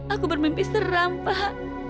aku bermimpi seram pak